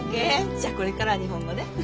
じゃあこれからは日本語ね。